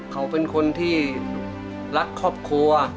เขาเป็นคนที่รักครอบครัว